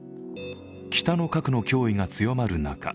北の核の脅威が強まる中